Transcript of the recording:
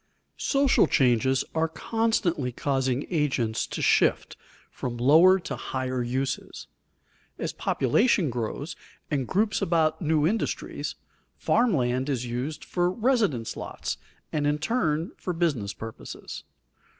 Social changes are constantly causing agents to shift from lower to higher uses. As population grows and groups about new industries, farm land is used for residence lots, and in turn for business purposes.